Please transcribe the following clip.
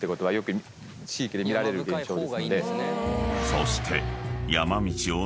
［そして］